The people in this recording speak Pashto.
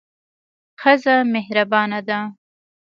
ښځه مهربانه ده.